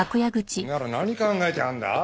お前ら何考えてやがんだ？